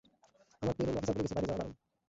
আমার payroll officer বলে গেছে, বাইরে যাওয়া বারণ!